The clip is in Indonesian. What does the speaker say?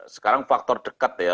sekarang faktor dekat ya